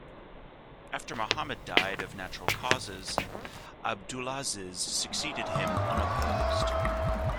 After Mohammed died of natural causes, Abdulaziz succeeded him unopposed.